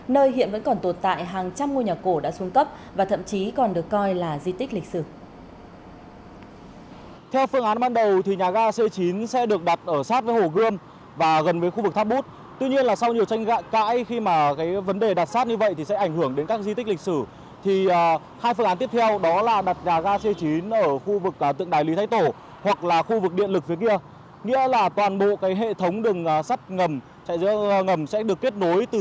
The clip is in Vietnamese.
nơi hiện vẫn còn tồn tại hàng trăm ngôi nhà cổ đã xuống cấp và thậm chí còn được coi là di tích lịch sử